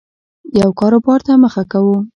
یو کاربار ته مخه کوو